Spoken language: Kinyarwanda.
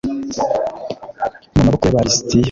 mu maboko y aba lisitiya